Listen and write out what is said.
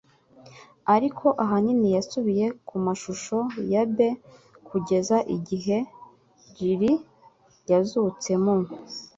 Ariko ahanini yasubiye ku mashusho ya B kugeza igihe Riley yazutse mu